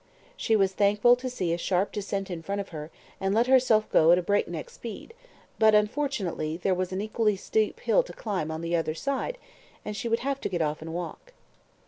She was thankful to see a sharp descent in front of her, and let herself go at a break neck speed; but, unfortunately, there was an equally steep hill to climb on the other side, and she would have to get off and walk.